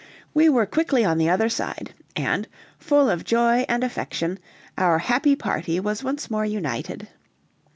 We were quickly on the other side, and, full of joy and affection, our happy party was once more united.